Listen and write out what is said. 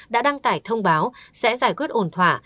đã đăng tải thông báo sẽ giải quyết ổn thỏa